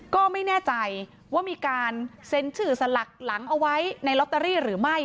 ก็ไม่แน่ใจว่ามีการเซ็นชื่อสลักหลังเอาไว้ในลอตเตอรี่หรือไม่